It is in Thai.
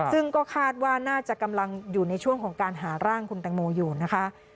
ซึ่งก็คาดว่าน่าจะกำลังอยู่ในช่วงของการหาร่างคุณตังโมอยู่นะคะ